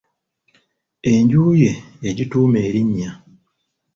Enju ye yagituuma erinnya.